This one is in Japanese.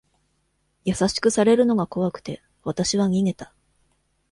優しくされるのが怖くて、わたしは逃げた。